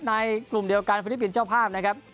กลุ่มเดียวกันฟิลิปปินส์เจ้าภาพนะครับ